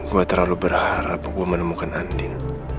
gue terlalu berharap gue menemukan andil